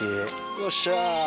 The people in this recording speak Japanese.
よっしゃ。